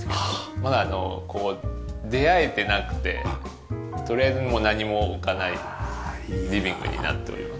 まだ出会えてなくて取りあえず何も置かないリビングになっております。